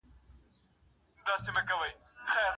شخصي ملکیت انسان ته هوساینه ورکوي.